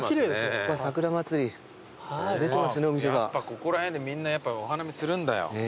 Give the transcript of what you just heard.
やっぱここら辺でみんなやっぱお花見するんだよ。